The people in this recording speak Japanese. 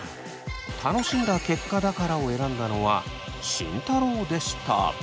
「楽しんだ結果だから」を選んだのは慎太郎でした。